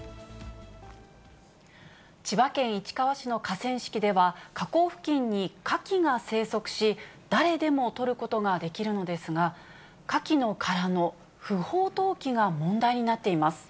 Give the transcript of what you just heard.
千葉県市川市の河川敷では、河口付近にカキが生息し、誰でも取ることができるのですが、カキの殻の不法投棄が問題になっています。